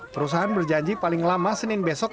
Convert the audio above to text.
perusahaan berjanji paling lama senin besok